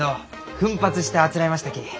奮発してあつらえましたき。